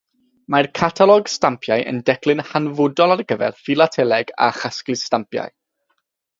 Mae'r catalog stampiau yn declyn hanfodol ar gyfer ffilateleg a chasglu stampiau.